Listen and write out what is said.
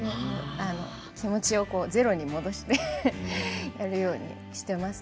気持ちをゼロに戻してやるようにしています。